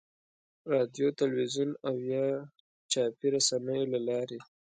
رادیو، تلویزیون او یا چاپي رسنیو له لارې.